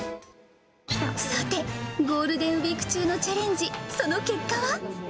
さて、ゴールデンウィーク中のチャレンジ、その結果は？